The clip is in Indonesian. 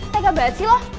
tega banget sih lo